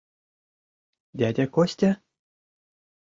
— Дядя Костя?